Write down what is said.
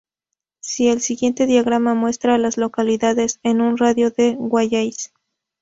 El siguiente diagrama muestra a las localidades en un radio de de Wallace.